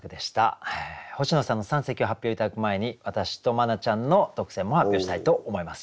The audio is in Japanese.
星野さんの三席を発表頂く前に私と茉奈ちゃんの特選も発表したいと思います。